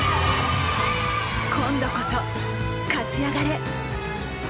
今度こそ勝ち上がれ！